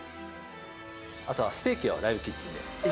あとはステーキをライブキッチンで。